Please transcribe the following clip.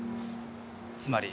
つまり。